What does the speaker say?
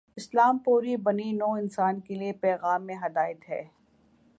اسلام پوری بنی نوع انسان کے لیے پیغام ہدایت ہے۔